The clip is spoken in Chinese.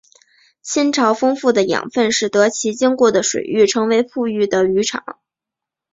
亲潮丰富的养分使得其经过的水域成为富裕的渔场。